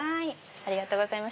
ありがとうございます